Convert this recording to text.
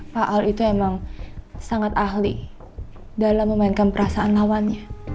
pak al itu emang sangat ahli dalam memainkan perasaan lawannya